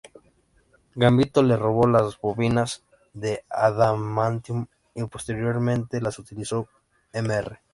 Gambito le robó las bobinas de adamantium y posteriormente las utilizó Mr.